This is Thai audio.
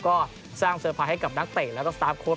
ก็สร้างเซอร์ไพรส์ให้กับนักเตะแล้วก็สตาร์ฟโค้ด